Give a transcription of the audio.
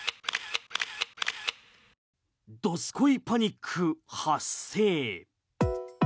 どすこいパニック発生。